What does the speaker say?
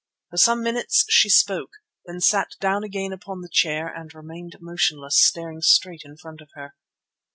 For some minutes she spoke, then sat down again upon the chair and remained motionless, staring straight in front of her.